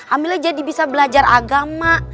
amila jadi bisa belajar agama